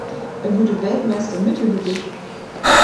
Er wurde Weltmeister im Mittelgewicht.